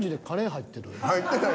入ってない。